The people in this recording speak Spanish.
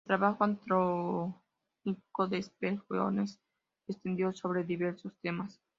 El trabajo astronómico de Spencer Jones se extendido sobre diversos temas.